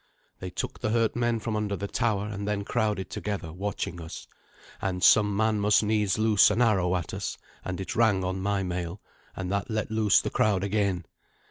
They took the hurt men from under the tower, and then crowded together, watching us. And some man must needs loose an arrow at us, and it rang on my mail, and that let loose the crowd again.